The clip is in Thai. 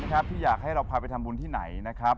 ครับที่อยากให้เราพาไปทำบุญที่ไหนนะครับ